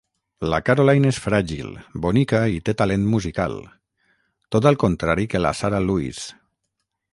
La Caroline és fràgil, bonica i té talent musical, tot al contrari que la Sara Louise.